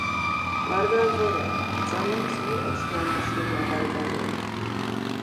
მარგალ ვორექ: ძალამს მიჸორს ნანაშ ნინა მარგალური.